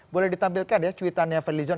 boleh ditampilkan ya cuitannya fadlizon